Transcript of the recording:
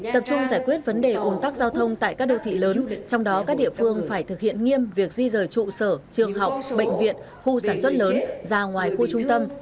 tập trung giải quyết vấn đề ồn tắc giao thông tại các đô thị lớn trong đó các địa phương phải thực hiện nghiêm việc di rời trụ sở trường học bệnh viện khu sản xuất lớn ra ngoài khu trung tâm